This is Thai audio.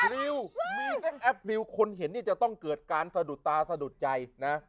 มีเซ็กแอปริวคนเห็นจะต้องเกิดการสะดุดตาสะดุดใจนะ